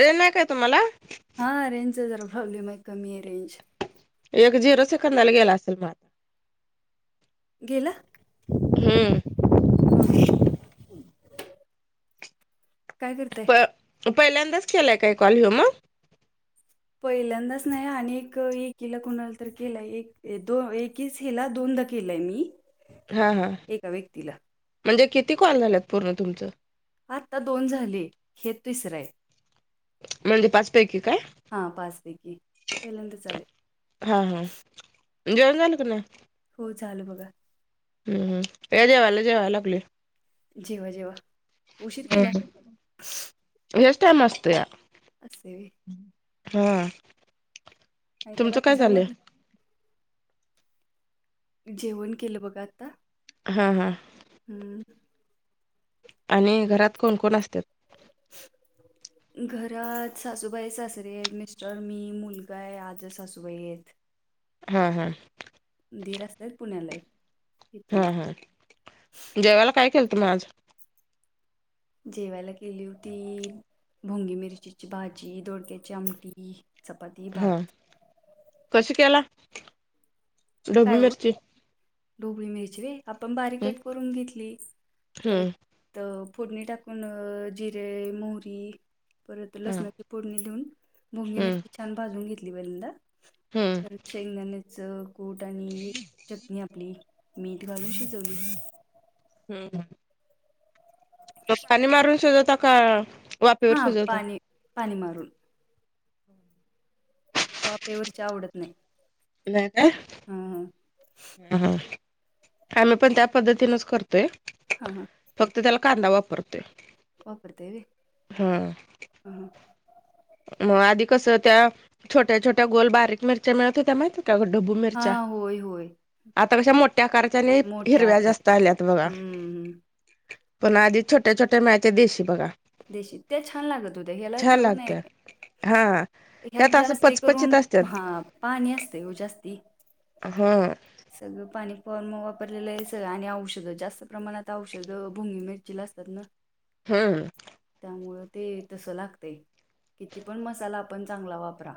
Raise नाही काय तुम्हाला हा रेंजचा जरा प्रॉब्लेम आहे कमी आहे रेंज एक झिरो सेकंदाला गेला असेल मग आता गेला. हम्म. [unintelligible] काय करताय. पहिल्यांदाच केलाय काय कॉल हो मग पहिल्यांदाच नाही अनेक एकला कोुणाला तर केला एक दोन एक दोनदा केलंय मी हा हा एका व्यक्तीला म्हणजे किती कॉल झाल्यात पूर्ण तुमचं आता दोन झाले हे तिसरं आहे. म्हणजे पाच पैकी काय? हा पाचपैकी पहिल्यांदच आले. हा हा जेवण झाल काय नाही. हो चालू बघा. हम् या जेवायला जेवाय लागली. जेवा जेवा. उशीर केला [inaudible] हेच टायमिंग असतया. असतय व्हय. हम आणि काय बाकीच आवरलं. जेवण केलं बघा आता हा हा. हम्म. आणि घरात कोण कोण असत्यात? [inaudible] घरात सासूबाई, सासरे आहेत मिस्टर, मी, मुलगा आहे आजी सासूबाई आहेत. हा हा. दीर असतात पुण्याला आहेत. इथे नसतात हा हा. जेवायला काय केलत मग आज? जेवायला केली होती ढोबळी मिरचीची भाजी, दोडक्याची आमटी चपाती, भात. हा. कस केला काय ढब्बू हो मिरची? ढोबळी मिरची व्हय. आपण बारीक हम्म कट करून घेतली. परत हम्म. तर फोडणी टाकून जिरे, मोहरी परत हा. लसणाची फोडणी देऊन ढोबळी हम्म मिरची छान भाजून घेतली मंद हम्म परत शेंगदाण्याच कूट आणि चटणी आपली मीठ घालून शिजवली. हम् हम्. तो पाणी मारून शिजवता का वाफ हा पाणी पाणी मारून वाफे वरची आवडत नाही. नाही का? हा हा. ह आम्ही पण त्या पद्धतीनच करतोय. हा हा. फक्त त्याला कांदा वापरतोय. वापरता व्हय. हम. ह हां. मग आधी कसं त्या छोट्या छोट्या गोल बारीक मिरच्या मिळत होत्या माहिते? ढब्बू हा मिरच्या होय होय आता कशा मोठ्या आकारच्याने मोठ्या हिरव्या आकारात. जास्त आल्यात बघा हम्म हम्म. पण आधी छोट्या छोट्या मिळायच्या देशी बघा. देशी त्या छान लागत होत्या. ह्याला छान चऊ नाही. लागत्या हा ह्यात त्यात असं जास्ती पचपचीत करून असत्यात हा पाणी असते ओ जास्ती. हम. सगळं पाणी पण मग वापरलेलं आहे सगळं आणि औषधं जास्त प्रमाणात औषधं ढोबळी मिरचीला असतात ना. हम्. त्यामुळं ते तसं लागतेय किती पण मसाला आपण चांगला वापरा.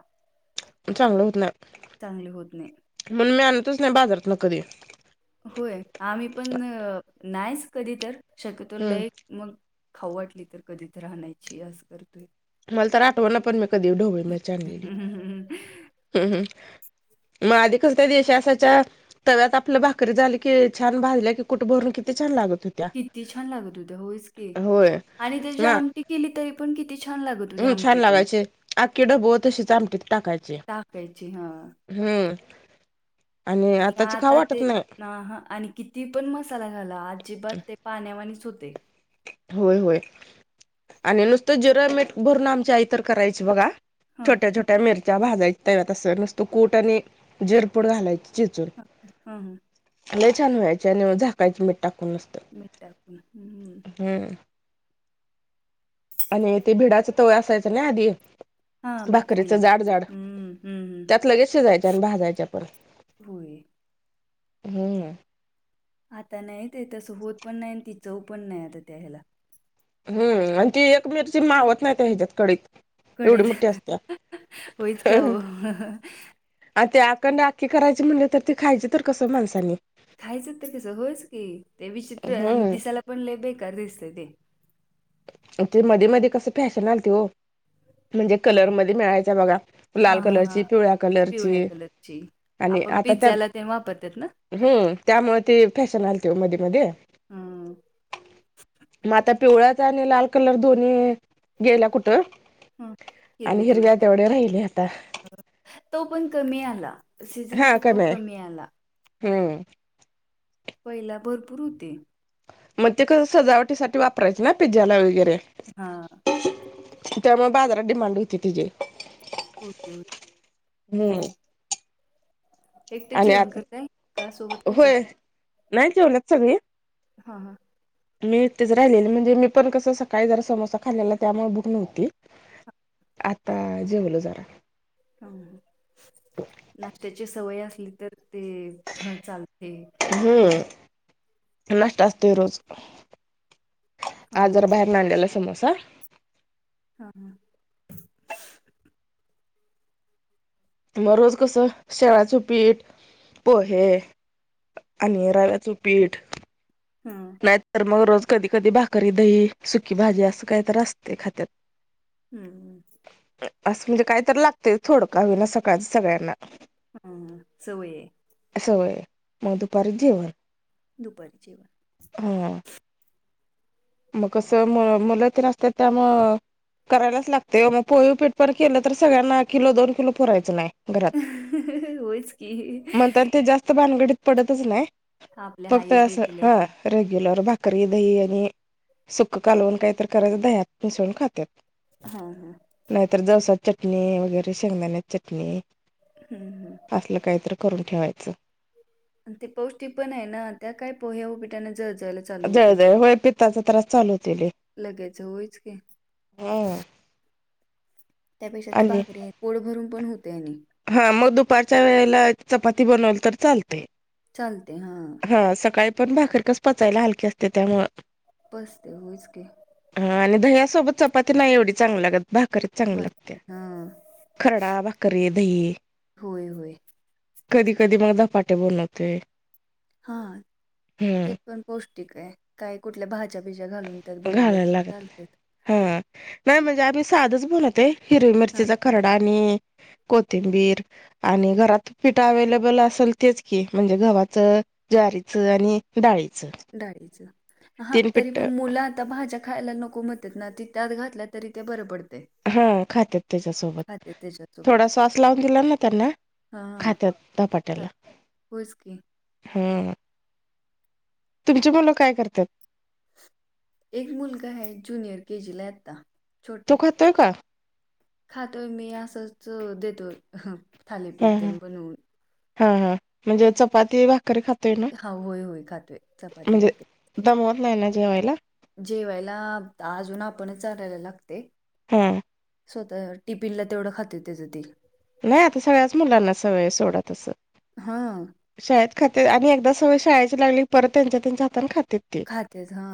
चांगलं होत नाय, चांगली होत नाही. म्हणून मी आणतच नाही बाजारात ना कधी. होय आम्हीपण नाहीच कधीतर, शक्यतो हम्म लयच मग खाऊ वाटली, तर कधीतर आणायची अस करतोय. मला तर आठवना पण, मी कधी ढोबळी मिरची आणलेली. मग आधी कस त्या देशी असयच्या? तव्यात आपलं भाकरी झाली की छान भाजल्या कुठं भरून किती छान लागत होते. किती छान लागत होत होयचकी होय आणि त्याची आमटी केली तरी पण किती छान लागत होती हम् छान आमटी पण लागायचे आखी ढब्बू तशीच आमटीत टाकायचे. टाकायची हा. हम्म आणि आताची खाऊ वाटत नाही. आहां आणि किती पण मसाला घाला, अजिबात ते पाण्यावाणीच होतंय. होय होय आणि नुसतं जिरं मीठ भरून आमची आई तर करायची बघा हां छोट्या छोट्या मिरच्या भाजायच्या तव्यात नुसतं कूट आणि जिरपूड घालायची. चिचून. हां हां हां लय छान व्हायची आणि झाकायची मीठ टाकून मस्त. मीठ टाकून हं. हं. आणि ते भिडाच तवय असायचं ना आधी. हां भाकरीचं भाकरीला जाड जाड, हम्म हम्म हम्म. त्यात लगेच शिजायच्या आणि भाजायच्या पण. होय. हं. आता नाही ते तसं होत पण नाही आणि ती चवपण नाही आता त्या ह्याला. हम्म आणि ती एक मिरची मावत नाही त्या ह्याच्यात कढईत. कढई झाकायला, होईच की आओ. आन ते अखंड आखी करायची म्हणले तर, ते खायची तर कसं माणसांनी? खायचं तर कसं होयच की. ते विचित्र आणि हम्म दिसायला पण लय बेकार दिसतय ते. ते मध्ये मध्ये कसं फॅशन आलती ओ. म्हणजे ते कलरमध्ये मिळायया बघा, लाल कलरची, पिवळ्या कलरची. ची. आणि आपण आता त्यात पिझ्झ्याला ते वापरत्यात ना? हम्म त्यामुळं ते फॅशन आलते ओ मध्ये मध्ये. हम्म म आता पिवळ्याचा आणि लाल कलर दोन्ही गेल्या कुठं. हं आणि हिरवी तेवढी हिरव्या तेवढ्या राहिले आता हाय. तो पण कमी आला. सीझन आता तो कमी आला. हं. पहिला भरपूर होते. मग ते कसं सजावटीसाठी वापरायचें ना, पिझ्झाला वगैरे. हा. त्यामुळे बाजारात डिमांड होती तिजी. होती हो हम्म. एकटेच आणि जेवण आता करताय, का सोबत हाय कोण? नाय जेवल्यात सगळी. हा हा. मी एकटीच राहिलेले. म्हणजे मीपण कसं सकाळी जरा समोसा खालेला, त्यामुळे भुक नव्हती. आता जेवलो जरा. हं हं, नाश्त्याची सवय असली, तर ते चालते. हम्म नाश्ता असतोय रोज. हा आज हा जरा बाहेर नाड्याला समोसा हा हा मग रोज कसं शेळाचं पीठ पोहे आणि रव्याचं पीठ हम नाहीत तर मग रोज कधी कधी भाकरी दही सुकी भाजी असं काहीत असते खात्यात हम्म. असं म्हणजे काही तर लागतंय, थोडं का होई ना सकाळच सगळ्यांना. हम्म, सवय हाय. सवय आहे, मग दुपारीच जेवण. दुपारी जेवण. हं. मग कसं मुलंती नसत त्यामु करायलाच लागते मग पोय पीठ पण केलं तर सगळ्यांना किलो दोन किलो पुरायचं नाही घरात होयच की म्हणताना ते जास्त भानगडीत पडतच नाही आपल्या फक्त हाय अस रेग्युलर हा रेग्युलर भाकरी दही आणि सुख कालवून काय तर करायचं दह्यात मिसवून खातात हा हा नाहीतर दोसा चटणी वगैरे शेंगदाण्या्या चटणी हम्म हम्म असलं काहीत करून ठेवायचं आणि ते पौष्टिक पण आहे ना त्या काय पोह्या उपीटाने जत झाल्या जळ जळ होय पित्ताचा त्रास चालूतील लगायचं होयच क हम त्यापेक्षा ते भाकरीे पोड भरून पण होते आणि हा मग दुपारच्या वेळेला चपाती बनवल तर चालते चालते हा हा सकाळी पण भाकरर कस पचायला हलकीे असते त्यामु बसते उचके ह आणि दह्यासोबत चपाती नाही एवढी चांगली लागत भाकरीत चांग लागत भाकरी हा खरडा भाकररीे दही होय होय कधी कधी मग दपाटे बनवते हा ते पण पौष्टिक आहे काय कुठल्या भाजी च्या बिच्या घालून त्यात बनवलं घालायला तरी लागत चालत हा नाही म्हणजे आम्ही साधच बनवते हिरवी हा मिरचीचा खरडा आणि कोथिंबीर आणि घरात पिठ अवे्लेबल असेल तेच की म्हणजे गव्हाचं ज्वारीच आणि डाळीचं डाळीच हा तीन तरी पिठ पण मुलं आता भाज्या खायला नको मतेत ना ती त्यात घातल्या तरी ते बरं पडते हा खातात त्याच्यासोबत त्याच्यासोबत थोडा स्वास लावून दिला ना त्यांना खातत झधपाट्याला होसके हा तुमची मुलं काय करतात एक मुलग आहे ज्युनियर केजीला आता छोट तो आहे खातोय का? खातोय मी असंच देतोय हा हा थालीपिडते बनवून हा हा म्हणजे चपाती भाकरी खात ते ना हा होय होय खातोय चपाती म्हणजे भाकरी दमवत नाही ना जेवायला जेवायला अजून आपण लायला लागते हा स्वतः टिपिनला तेवढं खाते तेचं त नाही आता सगळ्याच मुलांना सवय आहे सोडा तसं. हा शाळेत खातेत आणि एकदा सवय शाळेची लागली परत त्यांच्या त्यांच्या हातान खातेत. खातेच हा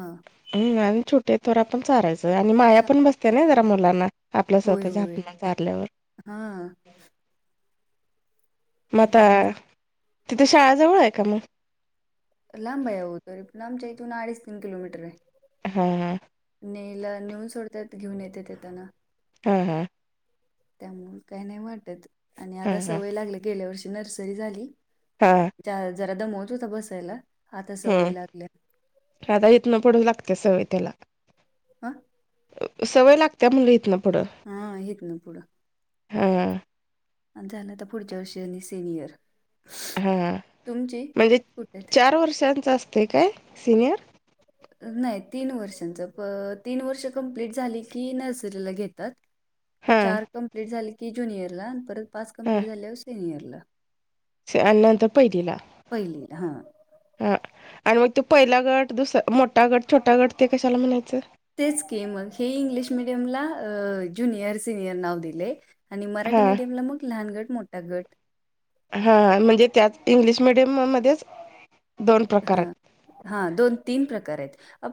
हम् आणि छोटेथोरा पण चाारायचं आणि माया चा पण बसते ना जरा मुलांना आपल्या स्वतःच्या आपल्या ारल्यावर हा मग आता नाही, तिथं शाळाजवळ आहे का मग लांब आहे ओ आमच्या तून अडीच तीन किलोमीटर आहे. हा ह नेला नेऊन सोडतात घेऊन येते येताना हा हा त्यामुळे काय नाही वाटत आणि हा हा आता हा सवय लागलं गेल्या वर्षी नर्सरी झाली. हा जरा दमवत होता बसायला आता सवय हम्म लागली. आता इथनं पुढे लागते सवय त्याला हा सवय लागत्या म्हणलं इत ना पुढं हा येत ना पुढ हा आणि झालं आता पुढच्या वर्षी सेनियर हां म्हणजे कुठे आहेत चार वर्षांचं असते काय सिनियर [inaudible] नाही तीन वर्षांचं तीन वर्ष कम्प्लीट झाली की नर्सरीला घेतात. हा चार कंप्ललीट झाले की ज्युनियरला आणि परत पाच हा कंप्लीट झाल्यावर सेनियरला. नंतर पहिलीला हां हा आणि मग तो पहिला गट, दुसरा मोठा गट छोटा गट ते कशाला म्हणायचं? तेचकी मग हे इंग्लिश मिीडियमला ज्युनियर सिनियर नाव दिले. आणि मराठी हा मीडियमला मग लहान गट मोठा गट हा म्हणजे त्याच इंग्लिश मिीडियम मध्येच दोन प्रकार हा आहेत हा दोन तीन प्रकार आहेत.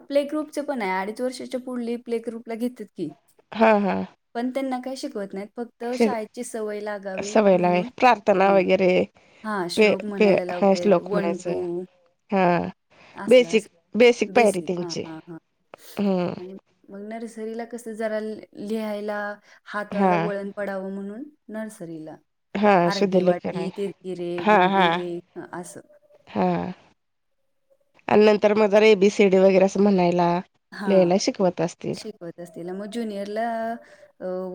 प्ले ग्रुपचे पण आहे अडीच वर्षाच्या पुढली प्ले ग्रुपला घेतात की. हा हा पण त्यांना काय शिकवत नाहीत फक्त तर शाळेची सवय लागावी सवय लावाय म्हणून प्रार्थना ह वगैरे हा पे श्लोक पे म्हणायला हा लावते श्लोक वन टू म्हणायचं हा बेसिक बेसिक पायरी हां, त्यांची हां, हां. हम्म आणि मग नर्सरीला कस जरा लिहायला हा हातला वळ पडावं म्हणून नर्सरीला हा अर्दी शुद्धलेखन वाटी, तिरकी रेघ, हा हा उभी रेघ असं हा आणि नंतर म ज एेबीसीडी वगैरे अस म्हणायला. हा लिहायला शिकवत असतील शिकत तला मग ज्युनियरला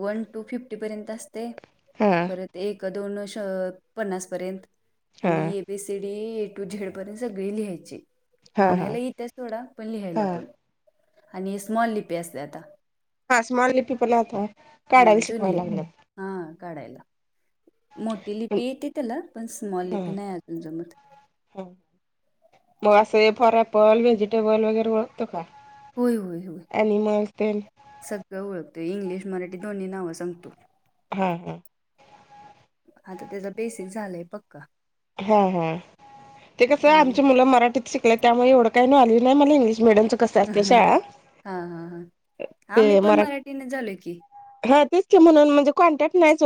वन टू फिफ्टी पर्यंत असते. हां दोन पन्नास पर्यंत हा आणि बेसीडी ए टू झेडपर्यंत सगळी लिहायची हा हा म्हणायला येतेचथोडा पण लिहायला हा पण आणि स्मॉल लिपी असती आता हा स्माल लिपी पण आता काढायला शिकवायला लागल. हा काढायला मोठी लिपी येते त्याला पण स्मॉल हा लिपी नाही अजून जमत मग अस अस फरपल भेजिटेबल वगैरे मुतक होय होय होय सगळं ओळखतोय इंग्लिश मराठी दोन्ही नाव सांगतो हा हा आता त्याचा बेसिक झालंय पक्का हा हा ते कसं त्यामुळे आमच्या मुलं मराठीत शिकलं त्यामुळे एवढं का आली नाही मला इंगलिश मीडियम चा ह हा हा ह हा ते म्ी पण मराठी मराठीने झालोय की, हा तेच म्हून म्हणजे कॉन्टॅक्ट नाहीच